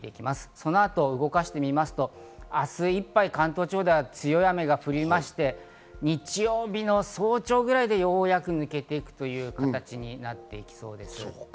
その後、動かすと、明日いっぱい関東地方では強い雨が降りまして、日曜日の早朝くらいでようやく抜けていくという形になります。